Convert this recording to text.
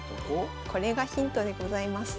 これがヒントでございます。